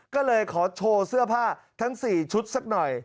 ก็เลยขอโชว์เสื้อผ้าทั้ง๔ชุดสักหน่อย